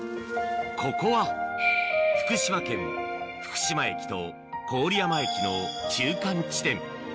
ここは福島県福島駅と郡山駅の中間地点